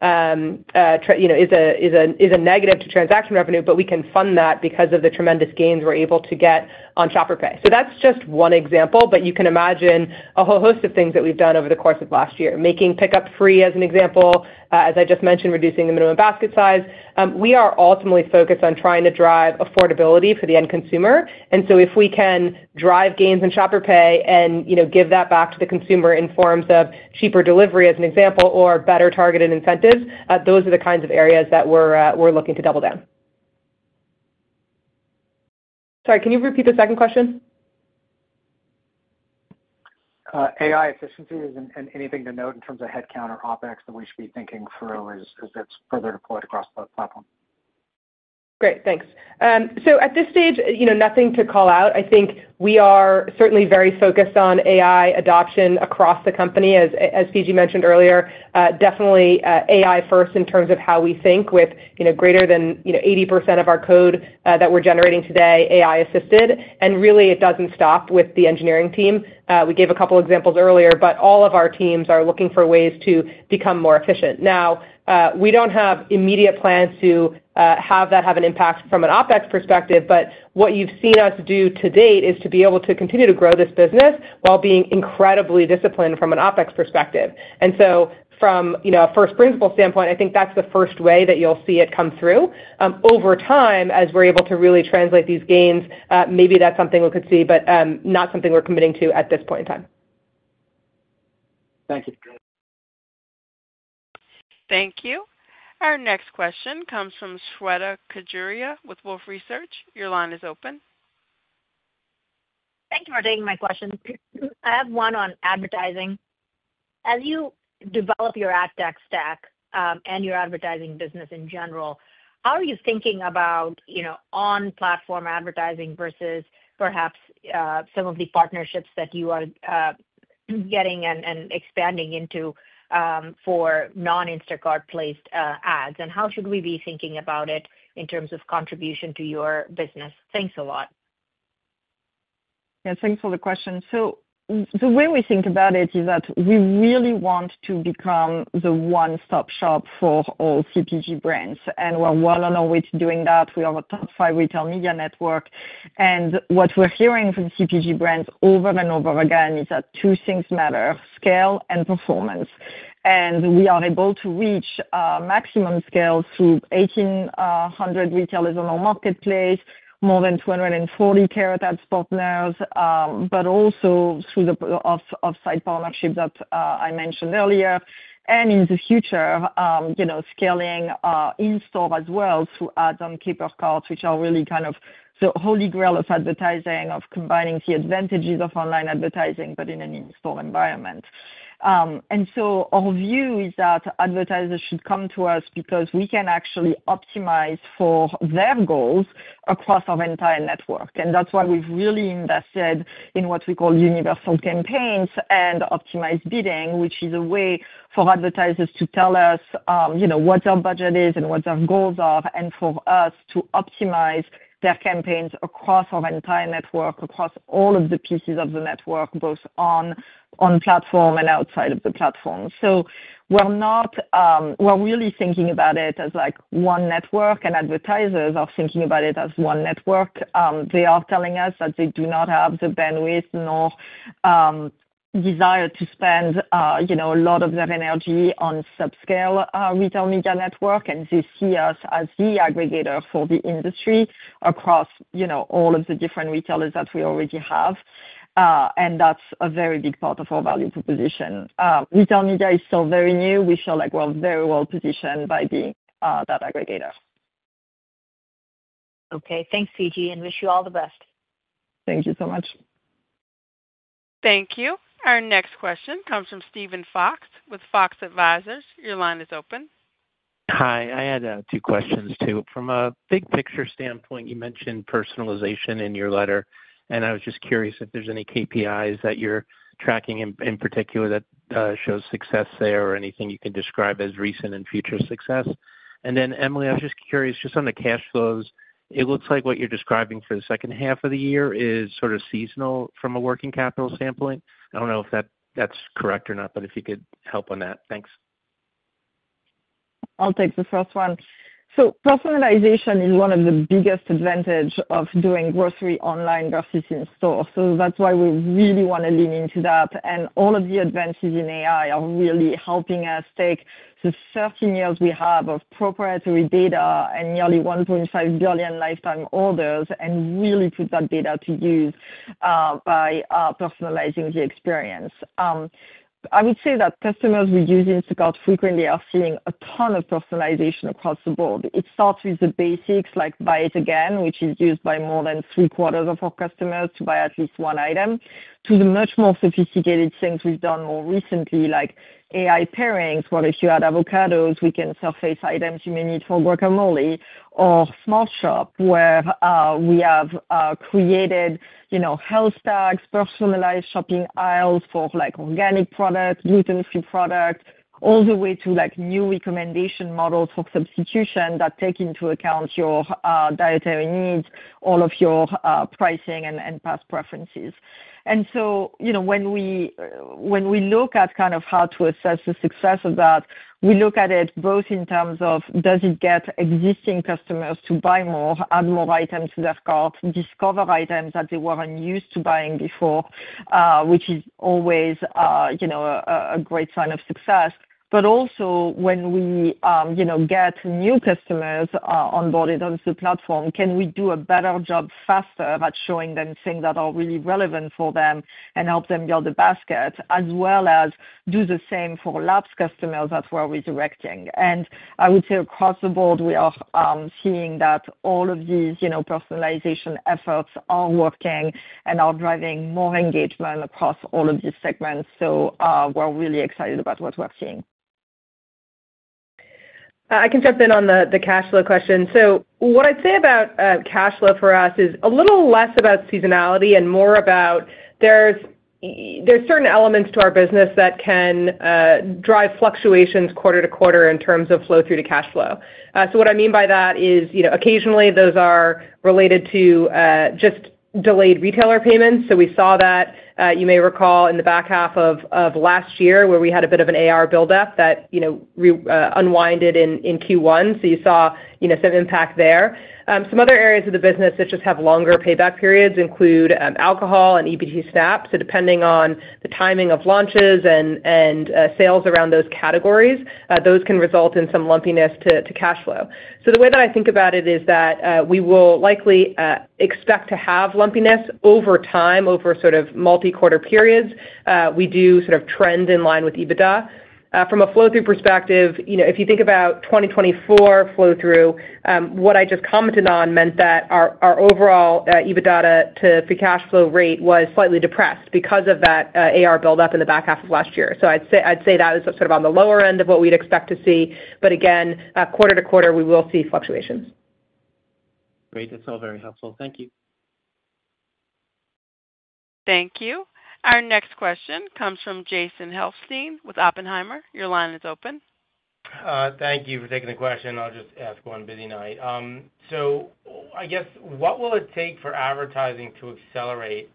a negative to transaction revenue, but we can fund that because of the tremendous gains we're able to get on Shopper Pay. That's just one example, but you can imagine a whole host of things that we've done over the course of last year. Making pickup free as an example, as I just mentioned, reducing the minimum basket size. We are ultimately focused on trying to drive affordability for the end consumer. If we can drive gains in Shopper Pay and give that back to the consumer in forms of cheaper delivery as an example or better targeted incentives, those are the kinds of areas that we're looking to double down. Sorry, can you repeat the second question? AI efficiencies and anything to note in terms of headcount or OpEx that we should be thinking through as it gets further deployed across both platforms. Great, thanks. At this stage, nothing to call out. I think we are certainly very focused on AI adoption across the company. As Fidji mentioned earlier, definitely AI-first in terms of how we think with greater than 80% of our code that we're generating today AI-assisted. It doesn't stop with the engineering team. We gave a couple examples earlier, but all of our teams are looking for ways to become more efficient. We don't have immediate plans to have that have an impact from an OpEx perspective, but what you've seen us do to date is to be able to continue to grow this business while being incredibly disciplined from an OpEx perspective. From a first principle standpoint, I think that's the first way that you'll see it come through. Over time, as we're able to really translate these gains, maybe that's something we could see, but not something we're committing to at this point in time. Thank you. Thank you. Our next question comes from Shweta Khajuria with Wolfe Research. Your line is open. Thank you for taking my question. I have one on advertising. As you develop your AdTech stack and your advertising business in general, how are you thinking about on-platform advertising versus perhaps some of the partnerships that you are getting and expanding into for non-Instacart-placed ads? How should we be thinking about it in terms of contribution to your business? Thanks a lot. Yeah, thanks for the question. The way we think about it is that we really want to become the one-stop shop for all CPG brands, and we're well on our way to doing that. We have a top five retail media network. What we're hearing from CPG brands over and over again is that two things matter: scale and performance. We are able to reach maximum scale to 1,800 retailers on our marketplace, more than 240 Carrot Ads partners, but also through the offsite partnership that I mentioned earlier. In the future, scaling in-store as well to add on Caper Carts, which are really kind of the holy grail of advertising, of combining the advantages of online advertising, but in an in-store environment. Our view is that advertisers should come to us because we can actually optimize for their goals across our entire network. That's why we've really invested in what we call universal campaigns and optimized bidding, which is a way for advertisers to tell us what their budget is and what their goals are, and for us to optimize their campaigns across our entire network, across all of the pieces of the network, both on platform and outside of the platform. We're really thinking about it as like one network, and advertisers are thinking about it as one network. They are telling us that they do not have the bandwidth nor desire to spend a lot of their energy on subscale retail media network. They see us as the aggregator for the industry across all of the different retailers that we already have, and that's a very big part of our value proposition. Retail media is still very new. We feel like we're very well positioned by being that aggregator. Okay, thanks, Fidji, and wish you all the best. Thank you so much. Thank you. Our next question comes from Stephen Fox with Fox Advisors. Your line is open. Hi, I had two questions too. From a big picture standpoint, you mentioned personalization in your letter, and I was just curious if there's any KPIs that you're tracking in particular that show success there or anything you can describe as recent and future success. Emily, I was just curious, just on the cash flows, it looks like what you're describing for the second half of the year is sort of seasonal from a working capital standpoint. I don't know if that's correct or not, but if you could help on that. Thanks. I'll take the first one. Personalization is one of the biggest advantages of doing grocery online versus in-store. That's why we really want to lean into that. All of the advances in AI are really helping us take the 13 years we have of proprietary data and nearly 1.5 billion lifetime orders and really put that data to use by personalizing the experience. I would say that customers who use Instacart frequently are seeing a ton of personalization across the board. It starts with the basics like buy it again, which is used by more than 75% of our customers to buy at least one item, to the much more sophisticated things we've done more recently like AI pairings, where if you add avocados, we can surface items you may need for guacamole, or Smart Shop, where we have created health tags, personalized shopping aisles for organic products, gluten-free products, all the way to new recommendation models for substitution that take into account your dietary needs, all of your pricing, and past preferences. When we look at kind of how to assess the success of that, we look at it both in terms of does it get existing customers to buy more, add more items to their cart, discover items that they weren't used to buying before, which is always a great sign of success. Also, when we get new customers onboarded onto the platform, can we do a better job faster at showing them things that are really relevant for them and help them build a basket, as well as do the same for labs customers that we're redirecting? I would say across the board, we are seeing that all of these personalization efforts are working and are driving more engagement across all of these segments. We're really excited about what we're seeing. I can jump in on the cash flow question. What I'd say about cash flow for us is a little less about seasonality and more about there's certain elements to our business that can drive fluctuations quarter to quarter in terms of flow through to cash flow. What I mean by that is occasionally those are related to just delayed retailer payments. We saw that, you may recall, in the back half of last year where we had a bit of an AR buildup that unwinded in Q1. You saw some impact there. Some other areas of the business that just have longer payback periods include alcohol and EBT SNAP. Depending on the timing of launches and sales around those categories, those can result in some lumpiness to cash flow. The way that I think about it is that we will likely expect to have lumpiness over time over sort of multi-quarter periods. We do sort of trend in line with EBITDA. From a flow-through perspective, if you think about 2024 flow-through, what I just commented on meant that our overall EBITDA to free cash flow rate was slightly depressed because of that AR buildup in the back half of last year. I'd say that is sort of on the lower end of what we'd expect to see. Again, quarter to quarter, we will see fluctuations. Great. That's all very helpful. Thank you. Thank you. Our next question comes from Jason Helfstein with Oppenheimer. Your line is open. Thank you for taking the question. I'll just ask one busy night. What will it take for advertising to accelerate?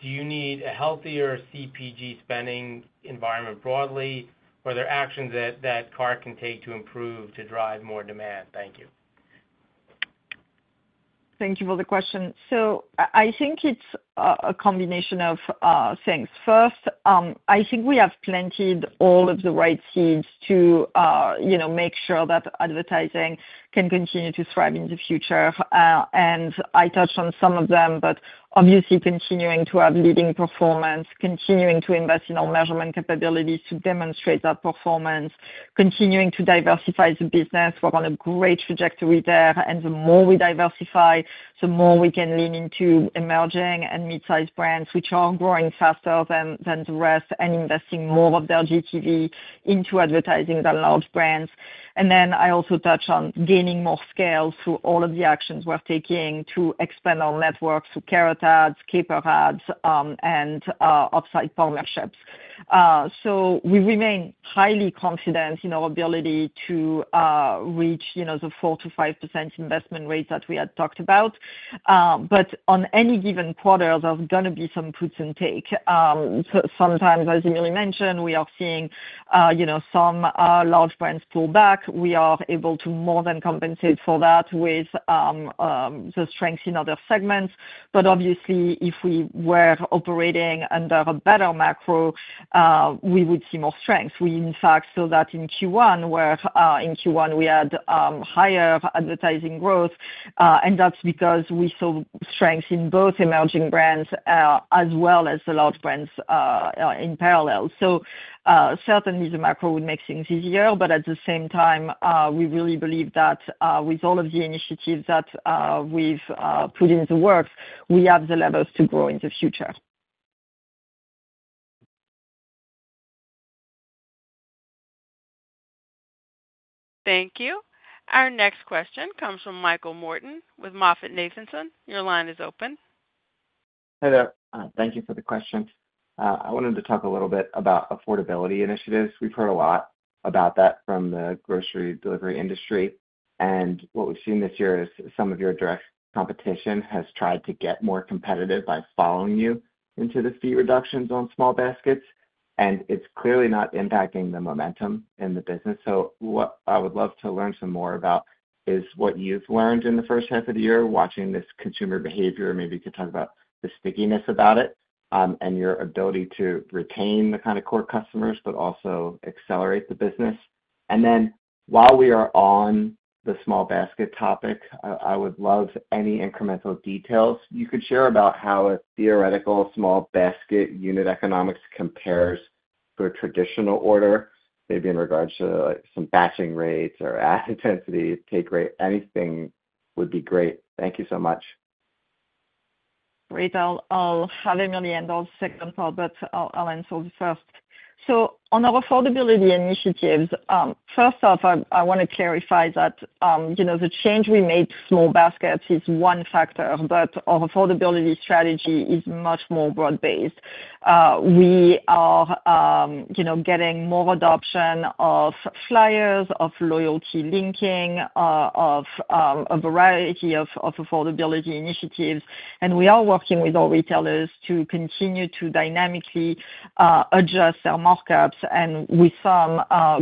Do you need a healthier CPG spending environment broadly? Are there actions that Instacart can take to improve to drive more demand? Thank you. Thank you for the question. I think it's a combination of things. First, I think we have planted all of the right seeds to make sure that advertising can continue to thrive in the future. I touched on some of them, but obviously continuing to have leading performance, continuing to invest in our measurement capabilities to demonstrate that performance, continuing to diversify the business. We're on a great trajectory there. The more we diversify, the more we can lean into emerging and mid-sized brands, which are growing faster than the rest, and investing more of their GTV into advertising than large brands. I also touch on gaining more scale through all of the actions we're taking to expand our networks through Carrot Ads, Caper ads, and offsite partnerships. We remain highly confident in our ability to reach the 4%-5% investment rate that we had talked about. On any given quarter, there's going to be some puts and takes. Sometimes, as Emily mentioned, we are seeing some large brands pull back. We are able to more than compensate for that with the strengths in other segments. Obviously, if we were operating under a better macro, we would see more strengths. We, in fact, saw that in Q1, where in Q1 we had higher advertising growth. That's because we saw strengths in both emerging brands as well as the large brands in parallel. Certainly, the macro would make things easier. At the same time, we really believe that with all of the initiatives that we've put into work, we have the levers to grow in the future. Thank you. Our next question comes from Michael Morton with MoffettNathanson. Your line is open. Hi there. Thank you for the question. I wanted to talk a little bit about affordability initiatives. We've heard a lot about that from the grocery delivery industry. What we've seen this year is some of your direct competition has tried to get more competitive by following you into the fee reductions on small baskets. It's clearly not impacting the momentum in the business. What I would love to learn some more about is what you've learned in the first half of the year watching this consumer behavior. Maybe you could talk about the stickiness about it and your ability to retain the kind of core customers, but also accelerate the business. While we are on the small basket topic, I would love any incremental details you could share about how a theoretical small basket unit economics compares to a traditional order, maybe in regards to some batching rates or ad intensity, take rate, anything would be great. Thank you so much. Great. I'll have Emily end all segments, but I'll answer the first. On our affordability initiatives, first off, I want to clarify that the change we made to small baskets is one factor, but our affordability strategy is much more broad-based. We are getting more adoption of flyers, of loyalty linking, of a variety of affordability initiatives. We are working with our retailers to continue to dynamically adjust their markups, and with some,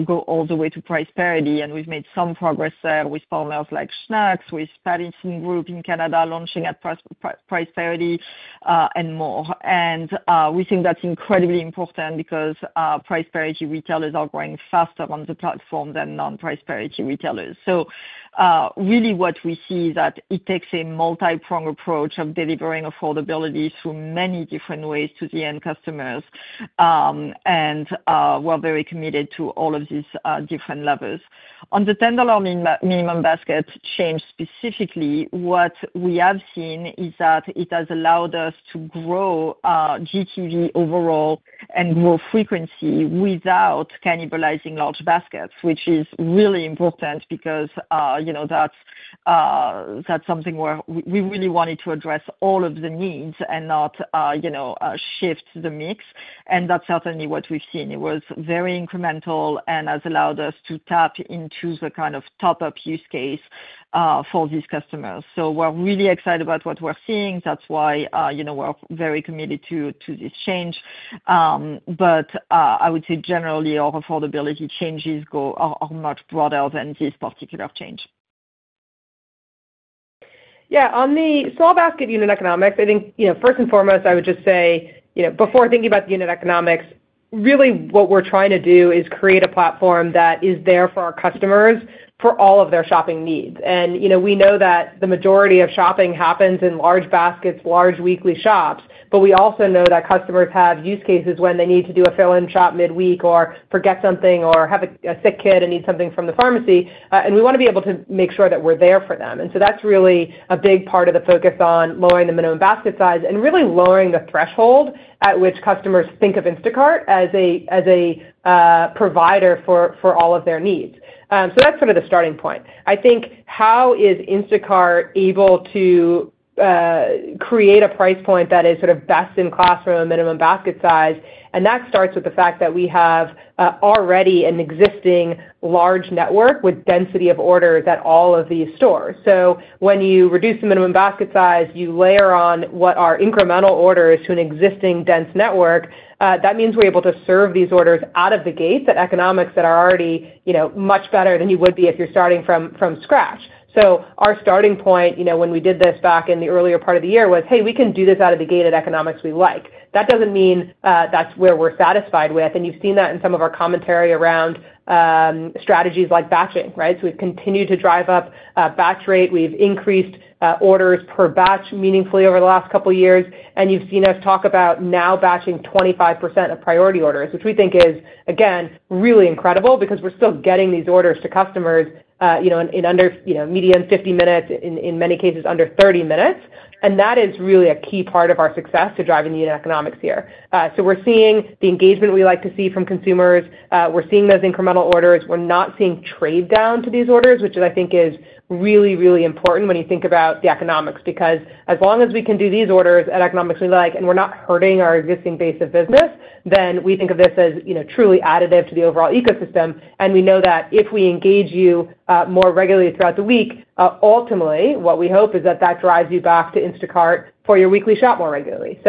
go all the way to price parity. We've made some progress there with partners like Schnucks, with Pattison Group in Canada launching at price parity, and more. We think that's incredibly important because price parity retailers are growing faster on the platform than non-price parity retailers. What we see is that it takes a multiprong approach of delivering affordability through many different ways to the end customers. We're very committed to all of these different levers. On the $10 minimum basket change specifically, what we have seen is that it has allowed us to grow GTV overall and grow frequency without cannibalizing large baskets, which is really important because that's something where we really wanted to address all of the needs and not shift the mix. That's certainly what we've seen. It was very incremental and has allowed us to tap into the kind of top-up use case for these customers. We're really excited about what we're seeing. That's why we're very committed to this change. I would say generally, our affordability changes are much broader than this particular change. Yeah, on the small basket unit economics, I think first and foremost, I would just say before thinking about the unit economics, really what we're trying to do is create a platform that is there for our customers for all of their shopping needs. We know that the majority of shopping happens in large baskets, large weekly shops, but we also know that customers have use cases when they need to do a fill-in shop midweek or forget something or have a sick kid and need something from the pharmacy. We want to be able to make sure that we're there for them. That's really a big part of the focus on lowering the minimum basket size and really lowering the threshold at which customers think of Instacart as a provider for all of their needs. That's sort of the starting point. I think how is Instacart able to create a price point that is sort of best in class for a minimum basket size? That starts with the fact that we have already an existing large network with density of orders at all of these stores. When you reduce the minimum basket size, you layer on what are incremental orders to an existing dense network. That means we're able to serve these orders out of the gates at economics that are already much better than you would be if you're starting from scratch. Our starting point when we did this back in the earlier part of the year was, hey, we can do this out of the gate at economics we like. That doesn't mean that's where we're satisfied with. You've seen that in some of our commentary around strategies like batching, right? We've continued to drive up batch rate. We've increased orders per batch meaningfully over the last couple of years. You've seen us talk about now batching 25% of priority orders, which we think is, again, really incredible because we're still getting these orders to customers in under median 50 minutes, in many cases under 30 minutes. That is really a key part of our success to driving the unit economics here. We're seeing the engagement we like to see from consumers. We're seeing those incremental orders. We're not seeing trade down to these orders, which I think is really, really important when you think about the economics because as long as we can do these orders at economics we like and we're not hurting our existing base of business, then we think of this as truly additive to the overall ecosystem. We know that if we engage you more regularly throughout the week, ultimately what we hope is that that drives you back to Instacart for your weekly shop more regularly.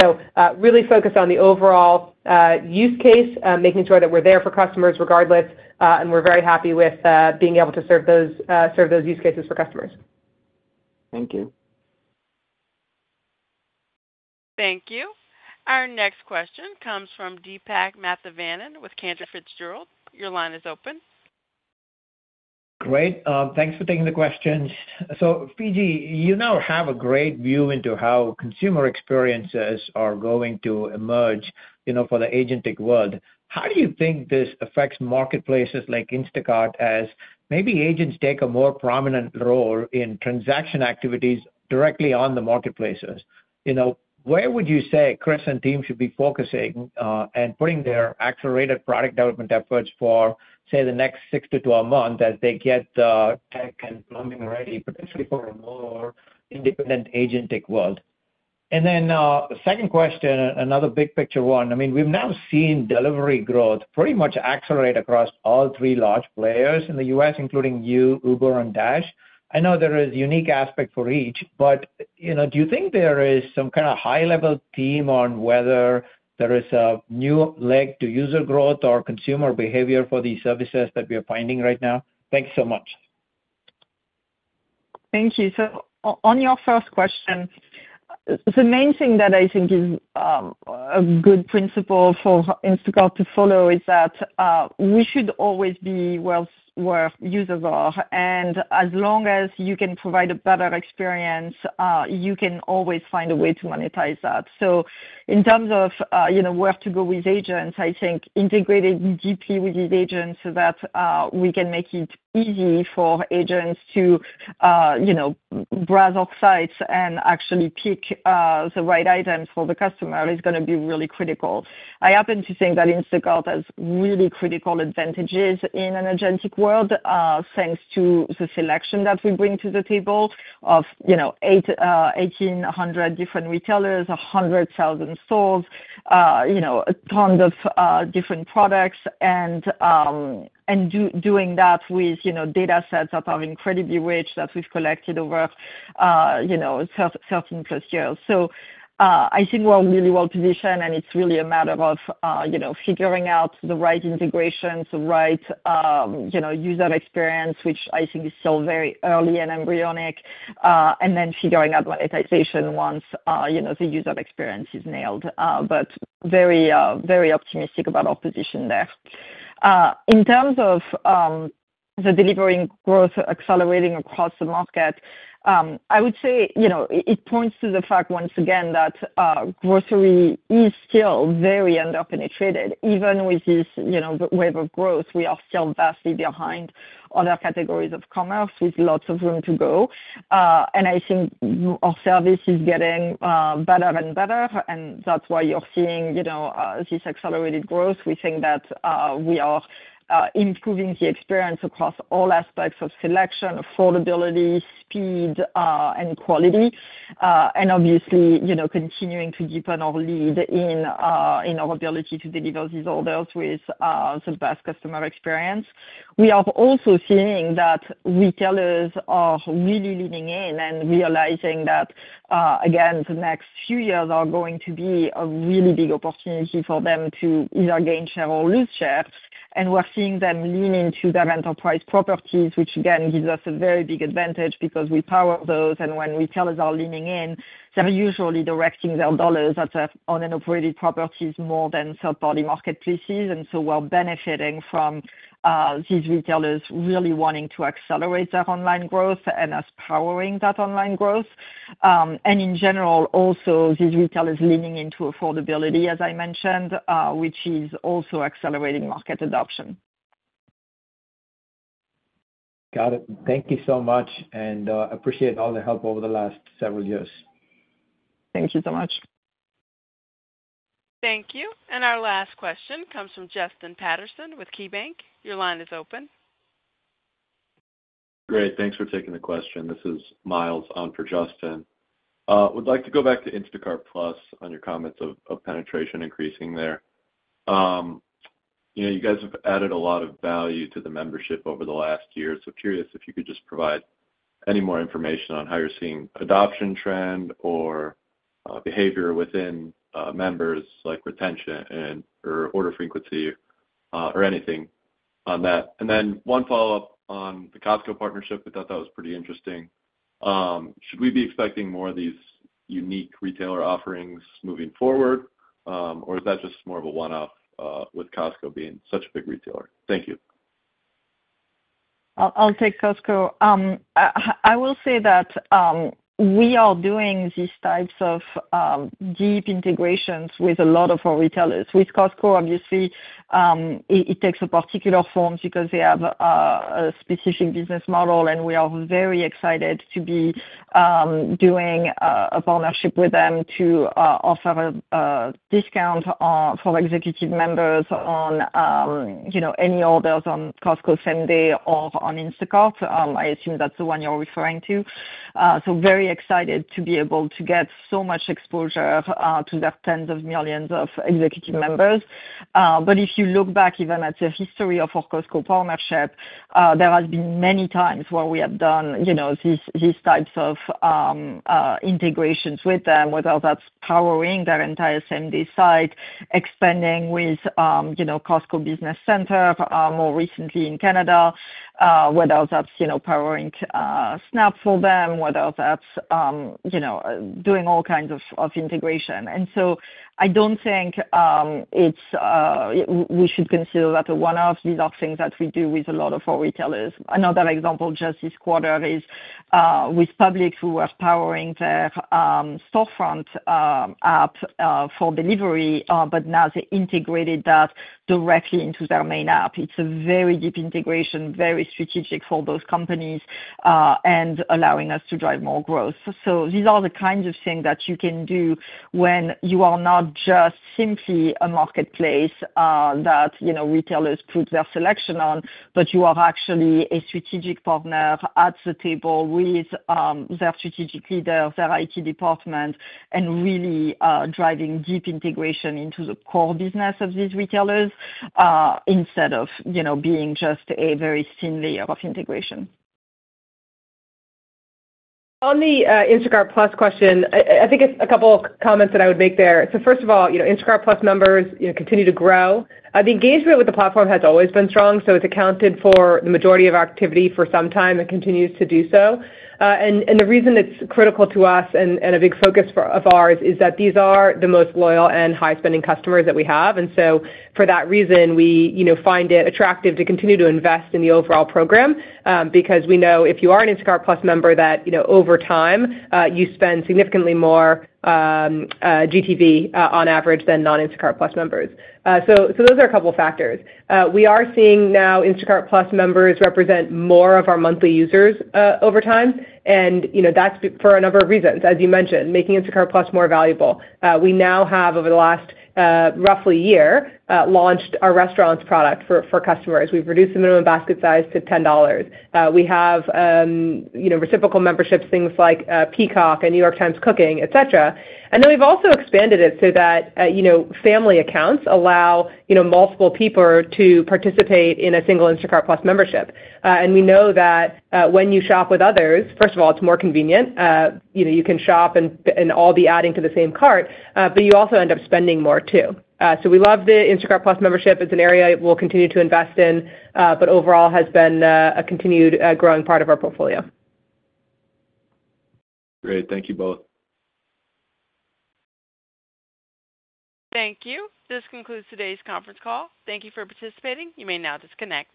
Really focused on the overall use case, making sure that we're there for customers regardless, and we're very happy with being able to serve those use cases for customers. Thank you. Thank you. Our next question comes from Deepak Mathivanan with Cantor Fitzgerald. Your line is open. Great. Thanks for taking the questions. Fidji, you now have a great view into how consumer experiences are going to emerge for the agentic world. How do you think this affects marketplaces like Instacart as maybe agents take a more prominent role in transaction activities directly on the marketplaces? Where would you say Chris and team should be focusing and putting their accelerated product development efforts for, say, the next six to 12 months as they get the tech and plumbing ready, potentially for a more independent agentic world? The second question, another big picture one. We've now seen delivery growth pretty much accelerate across all three large players in the U.S., including you, Uber Eats, and Dash. I know there is a unique aspect for each, but do you think there is some kind of high-level theme on whether there is a new leg to user growth or consumer behavior for these services that we are finding right now? Thank you so much. Thank you. On your first question, the main thing that I think is a good principle for Instacart to follow is that we should always be where users are. As long as you can provide a better experience, you can always find a way to monetize that. In terms of where to go with agents, I think integrating deeply with these agents so that we can make it easy for agents to browse offsites and actually pick the right items for the customer is going to be really critical. I happen to think that Instacart has really critical advantages in an agentic world, thanks to the selection that we bring to the table of 1,800 different retailers, 100,000 stores, tons of different products, and doing that with data sets that are incredibly rich that we've collected over 13+ years. I think we're really well positioned, and it's really a matter of figuring out the right integrations, the right user experience, which I think is still very early and embryonic, and then figuring out monetization once the user experience is nailed. Very, very optimistic about our position there. In terms of the delivering growth accelerating across the market, I would say it points to the fact, once again, that grocery is still very underpenetrated. Even with this wave of growth, we are still vastly behind other categories of commerce with lots of room to go. I think our service is getting better and better, and that's why you're seeing this accelerated growth. We think that we are improving the experience across all aspects of selection, affordability, speed, and quality, and obviously continuing to deepen our lead in our ability to deliver these orders with the best customer experience. We are also seeing that retailers are really leaning in and realizing that, again, the next few years are going to be a really big opportunity for them to either gain share or lose shares. We're seeing them lean into their enterprise properties, which again gives us a very big advantage because we power those. When retailers are leaning in, they're usually directing their dollars on unoperated properties more than third-party marketplaces. We are benefiting from these retailers really wanting to accelerate their online growth and us powering that online growth. In general, also these retailers leaning into affordability, as I mentioned, which is also accelerating market adoption. Got it. Thank you so much, and I appreciate all the help over the last several years. Thank you so much. Thank you. Our last question comes from Justin Patterson with KeyBanc. Your line is open. Great. Thanks for taking the question. This is Miles on for Justin. We'd like to go back to Instacart+ on your comments of penetration increasing there. You guys have added a lot of value to the membership over the last year. Curious if you could just provide any more information on how you're seeing adoption trend or behavior within members like retention or order frequency or anything on that. One follow-up on the Costco partnership. We thought that was pretty interesting. Should we be expecting more of these unique retailer offerings moving forward, or is that just more of a one-off with Costco being such a big retailer? Thank you. I'll take Costco. I will say that we are doing these types of deep integrations with a lot of our retailers. With Costco, obviously, it takes a particular form because they have a specific business model, and we are very excited to be doing a partnership with them to offer a discount for executive members on any orders on Costco Same-Day or on Instacart. I assume that's the one you're referring to. Very excited to be able to get so much exposure to their tens of millions of executive members. If you look back even at the history of our Costco partnership, there have been many times where we have done these types of integrations with them, whether that's powering their entire Same-Day site, expanding with Costco Business Center, more recently in Canada, whether that's powering SNAP for them, or doing all kinds of integration. I don't think we should consider that a one-off. These are things that we do with a lot of our retailers. Another example just this quarter is with Publix. We were powering their storefront app for delivery, but now they integrated that directly into their main app. It's a very deep integration, very strategic for those companies, and allowing us to drive more growth. These are the kinds of things that you can do when you are not just simply a marketplace that retailers put their selection on, but you are actually a strategic partner at the table with their strategic leaders, their IT department, and really driving deep integration into the core business of these retailers instead of being just a very thin layer of integration. On the Instacart+ question, I think a couple comments that I would make there. First of all, Instacart+ members continue to grow. The engagement with the platform has always been strong, so it's accounted for the majority of activity for some time and continues to do so. The reason it's critical to us and a big focus of ours is that these are the most loyal and high-spending customers that we have. For that reason, we find it attractive to continue to invest in the overall program because we know if you are an Instacart+ member that over time, you spend significantly more GTV on average than non-Instacart+ members. Those are a couple of factors. We are seeing now Instacart+ members represent more of our monthly users over time, and that's for a number of reasons, as you mentioned, making Instacart+ more valuable. We now have, over the last roughly year, launched our restaurants product for customers. We've reduced the minimum basket size to $10. We have reciprocal memberships, things like Peacock and New York Times Cooking, etc. We've also expanded it so that family accounts allow multiple people to participate in a single Instacart membership. We know that when you shop with others, first of all, it's more convenient. You can shop and all be adding to the same cart, but you also end up spending more too. We love the Instacart+ membership. It's an area we'll continue to invest in, but overall has been a continued growing part of our portfolio. Great. Thank you both. Thank you. This concludes today's conference call. Thank you for participating. You may now disconnect.